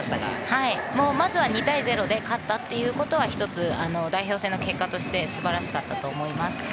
まずは２対０で勝ったということは１つ、代表戦の結果として素晴らしかったと思います。